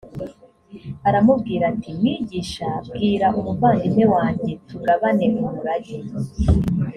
aramubwira ati mwigisha bwira umuvandimwe wanjye tugabane umurage